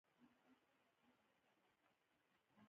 سړي بوټونه وايستل.